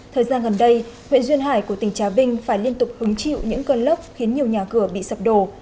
thời gian gần đây huyện duyên hải của tỉnh trà vinh phải liên tục hứng chịu những cơn lốc khiến nhiều nhà cửa bị sập đổ